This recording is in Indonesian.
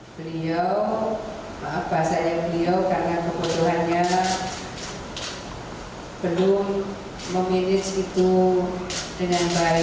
beliau maaf bahasanya beliau karena kebodohannya belum memilih situ dengan baik